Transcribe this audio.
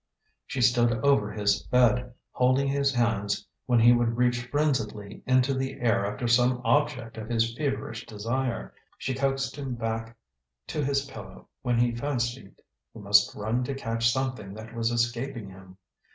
She stood over his bed, holding his hands when he would reach frenziedly into the air after some object of his feverish desire; she coaxed him back to his pillow when he fancied he must run to catch something that was escaping him.